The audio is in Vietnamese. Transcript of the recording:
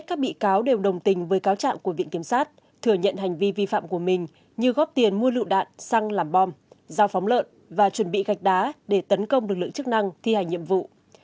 các bị cáo đều đồng tình với cáo trạng của viện kiểm sát thừa nhận hành vi vi phạm của mình như góp tiền mua lựu đạn xăng làm bom giao phóng lợn và chuẩn bị gạch đá để tấn công lực lượng chức năng thi hành nhiệm vụ